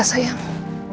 kamu sakit lagi ya